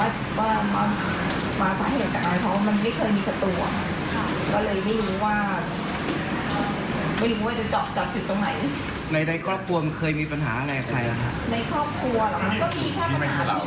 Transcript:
ตัวจนไม่ปากใจเชื่อมากมายว่าไม่มีศัตรูกับใคร